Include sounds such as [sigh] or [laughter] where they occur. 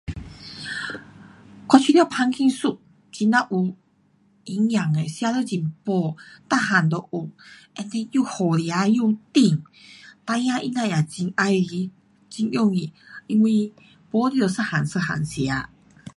我 [unintelligible] [南瓜汤]很有营养吃得很饱很珍惜一切都有和又好吃又甜的喜欢很容易因为不然的就要一样一样吃